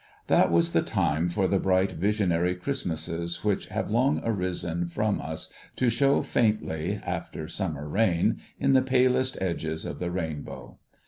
That was the time for the bright visionary Christmases which have long arisen from us to show faintly, after summer rain, in the palest edges of the rainbow